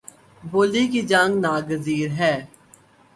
بولی کی جنگ ناگزیر ہے